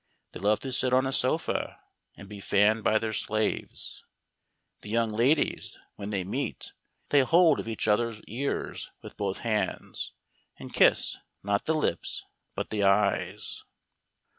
They love to sit on a sofa, and be fanned by their slaves. The young ladies, when they meet, lay hold of each other's ears with both hands, and kiss, not the lips, but the eyes.